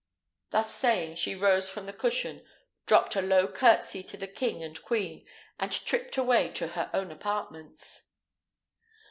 Thus saying, she rose from the cushion, dropped a low curtsey to the king and queen, and tripped away to her own apartments.